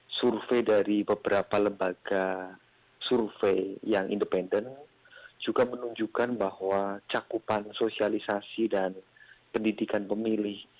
jadi survei dari beberapa lembaga survei yang independen juga menunjukkan bahwa cakupan sosialisasi dan pendidikan pemilih